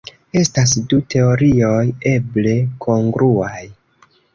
Estas du teorioj eble kongruaj.